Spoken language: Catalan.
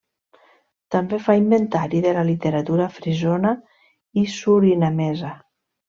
També fa d'inventari de la literatura frisona i surinamesa.